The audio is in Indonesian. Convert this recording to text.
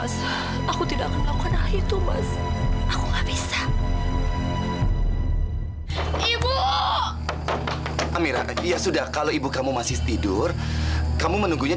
sampai jumpa di video selanjutnya